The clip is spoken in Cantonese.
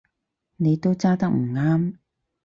你都揸得唔啱